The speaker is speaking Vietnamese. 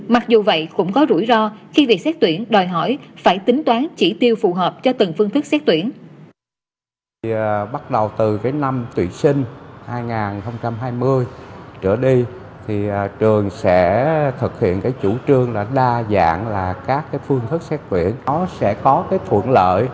mặc dù vậy cũng có rủi ro khi việc xét tuyển đòi hỏi phải tính toán chỉ tiêu phù hợp cho từng phương thức xét tuyển